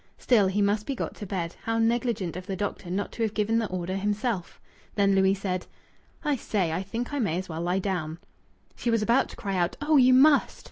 Still, he must be got to bed. How negligent of the doctor not to have given the order himself! Then Louis said: "I say! I think I may as well lie down!" She was about to cry out, "Oh, you must!"